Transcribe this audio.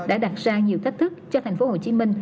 đã đặt ra nhiều thách thức cho tp hcm